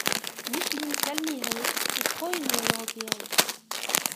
Micheline Calmy-Rey est pro-Union européenne.